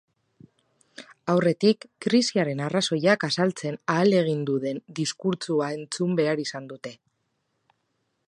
Aurretik, krisiaren arrazoiak azaltzen ahalegindu den diskurtsua entzun behar izan dute.